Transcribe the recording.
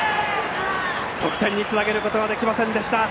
得点につなげることはできませんでした。